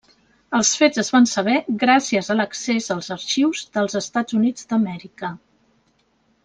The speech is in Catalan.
Els fets es van saber gràcies a l'accés als arxius dels Estats Units d'Amèrica.